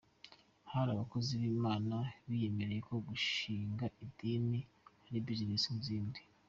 Hari abakozi b’Imana biyemerera ko gushinga idini ari ‘Business’ nk’izindi.